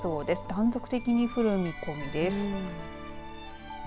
断続的に降る見込みです。